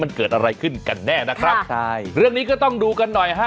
มันเกิดอะไรขึ้นกันแน่นะครับใช่เรื่องนี้ก็ต้องดูกันหน่อยฮะ